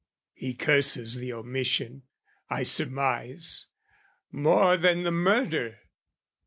He curses the omission, I surmise, More than the murder.